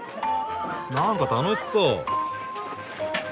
なんか楽しそう。